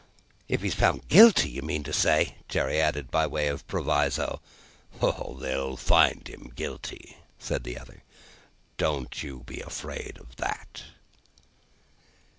"If he's found Guilty, you mean to say?" Jerry added, by way of proviso. "Oh! they'll find him guilty," said the other. "Don't you be afraid of that."